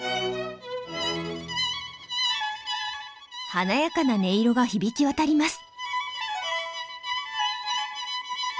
華やかな音色が響き渡ります。